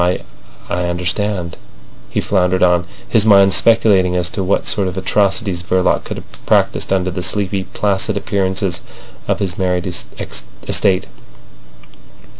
I—I understand," he floundered on, his mind speculating as to what sort of atrocities Verloc could have practised under the sleepy, placid appearances of his married estate.